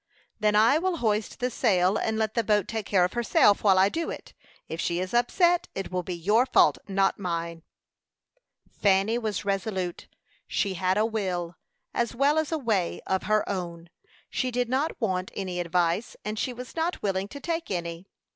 "Then I will hoist the sail, and let the boat take care of herself while I do it. If she is upset, it will be your fault, not mine." Fanny was resolute; she had a will, as well as a way, of her own. She did not want any advice, and she was not willing to take any.